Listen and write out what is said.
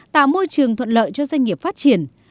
tạo môi trường thuận lợi cho doanh nghiệp phát triển